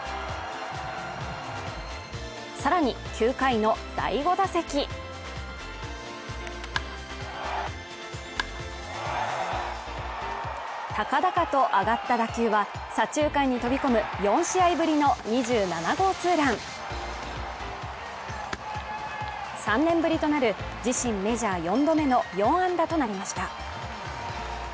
さらに９回の第５打席高々と上がった打球は左中間に飛び込む４試合ぶりの２７号ツーラン３年ぶりとなる自身メジャー４度目の４安打となりました